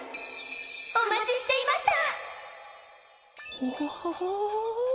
お待ちしていました！